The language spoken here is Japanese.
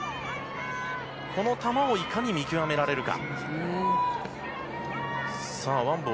この球をいかに見極められるか。